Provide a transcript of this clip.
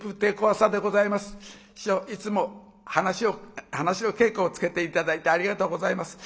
師匠いつも噺の稽古をつけて頂いてありがとうございます。